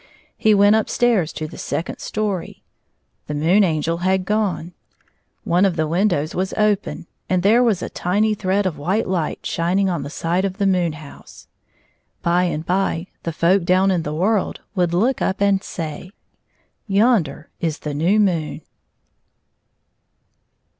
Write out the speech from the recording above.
He went up stairs to the second story. The Moon Angel had gone. One of the windows was open, and there was a tiny thread of white Kght shining on the side of the moon house. By and by the folk down in the world would look up and say, " Yonder is the new moon."